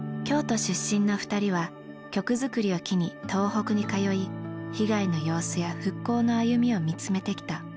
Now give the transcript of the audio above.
京都出身の２人は曲作りを機に東北に通い被害の様子や復興の歩みを見つめてきた。